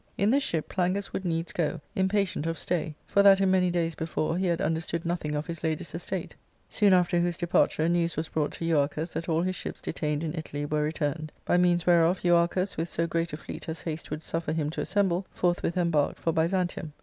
In this ship Plangus would needs go, impatient of stay, for that in many days before he had understood nothing of his lady's estate. Soon after whose departure news was brought to Euarchus that all his ships detained in Italy were returned. By means whereof Euar* chus, with so great a fleet as haste would suffer him to as semble, forthwith embarked for Byzantium.